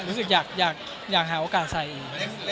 รู้สึกอยากหาโอกาสใส่อีก